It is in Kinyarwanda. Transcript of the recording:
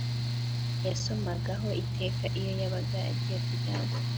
yasomagaho iteka iyo yabaga agiye kuryama